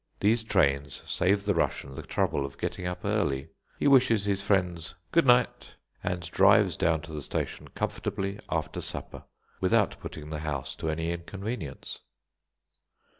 These trains save the Russian the trouble of getting up early. He wishes his friends "Good night," and drives down to the station comfortably after supper, without putting the house to any inconvenience.